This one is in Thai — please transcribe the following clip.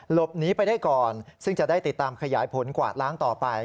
หลบหนีไปได้ก่อนซึ่งจะได้ติดตามขยายผลกวาดล้างต่อไป